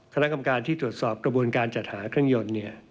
คณะกรรมการที่ตรวจสอบกระบวนการจัดหาเครื่องยนต์